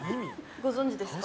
ご存じですか？